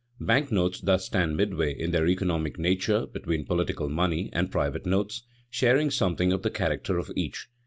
_ Bank notes thus stand midway in their economic nature between political money and private notes, sharing something of the character of each.